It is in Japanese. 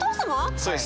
そうです。